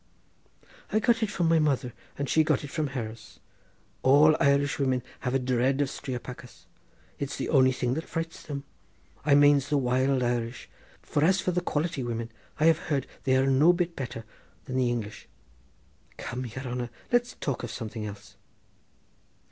"I got it from my mother and she got it from hers. All Irish women have a dread of striopachas. It's the only thing that frights them; I manes the wild Irish, for as for the quality women I have heard they are no bit better than the English. Come, yere hanner, let's talk of something else."